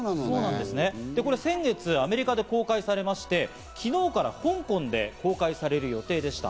先月、アメリカで公開されまして、昨日から香港で公開される予定でした。